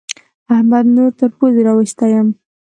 احمد نور تر پوزې راوستی يم.